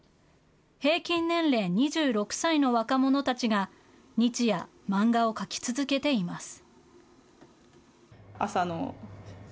平均年齢２６歳の若者たちが、日夜、漫画を描き続けています。